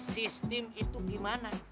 sistem itu gimana